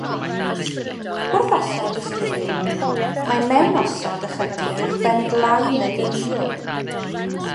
Wrth osod y stribyn, mae'n mewnosod ychydig uwchben glain y leiniwr.